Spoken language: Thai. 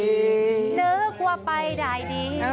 นึกว่าไปได้ดี